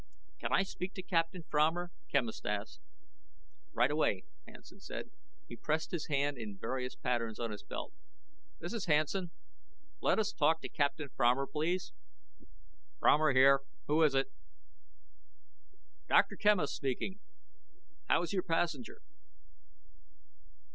"Can I speak to Captain Fromer?" Quemos asked. "Right away," Hansen said. He pressed his hand in various patterns on his belt. "This is Hansen. Let us talk to Captain Fromer, please." "Fromer here. Who is it?" "Dr. Quemos speaking. How is your passenger?"